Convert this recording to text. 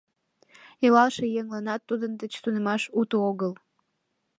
Илалше еҥланат тудын деч тунемаш уто огыл.